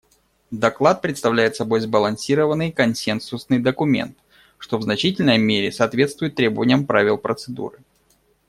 Доклад представляет собой сбалансированный консенсусный документ, что в значительной мере соответствует требованиям правил процедуры.